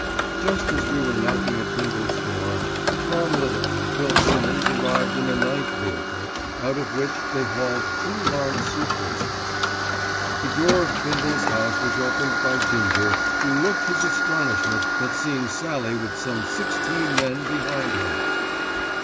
Just as we were knocking at Bindle's door, Tom Little and Bill Simmonds arrived in a ninth vehicle, out of which they hauled two large suit cases. The door of Bindle's house was opened by Ginger, who looked his astonishment at seeing Sallie with some sixteen men behind her.